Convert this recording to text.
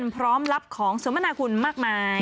พร้อมรับของสมนาคุณมากมาย